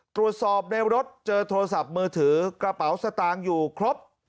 ตรวจสอบในรถเจอโทรศัพท์มือถือกระเป๋าสตางค์อยู่ครบ